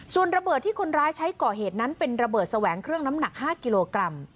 ส่วนระเบิดที่คนร้ายใช้ก่อเหตุนั้นเป็นระเบิดแสวงเครื่องน้ำหนัก๕กิโลกรัม